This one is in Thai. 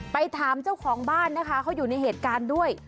ไปถามเจ้าของบ้านนะคะเขาอยู่ในเหตุการณ์ด้วย